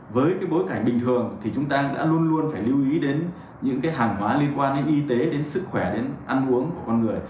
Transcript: với cái bối cảnh bình thường thì chúng ta đã luôn luôn phải lưu ý đến những hàng hóa liên quan đến y tế đến sức khỏe đến ăn uống của con người